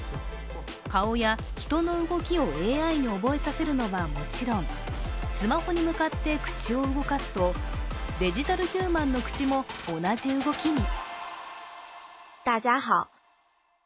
顔や人の動きをＡＩに覚えさせるのはもちろん、スマホに向かって口を動かすとデジタルヒューマンの口も同じ動きに。